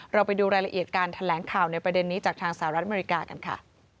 ไปดูรายละเอียดการแถลงข่าวในประเด็นนี้จากทางสหรัฐอเมริกากันค่ะ